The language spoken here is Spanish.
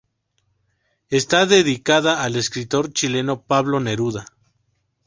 Está dedicada al escritor chileno Pablo Neruda.